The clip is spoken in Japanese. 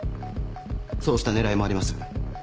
そうした狙いもあります。